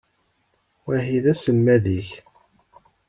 Wahi d aselmad-ik?